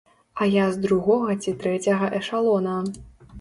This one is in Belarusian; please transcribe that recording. А я з другога ці трэцяга эшалона.